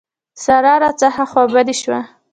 سارا راڅخه خوابدې شوه.